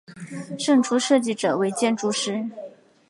胜出设计者为建筑师。